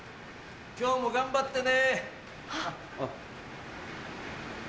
今日も頑張ってね。